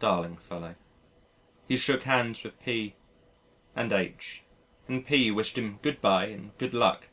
Darling fellow. He shook hands with P and H , and P wished him "Goodbye, and good luck."